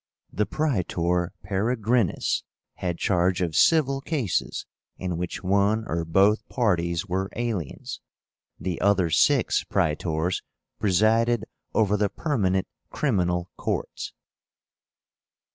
The Praetor Peregrínus had charge of civil cases in which one or both parties were aliens. The other six Praetors presided over the permanent criminal courts.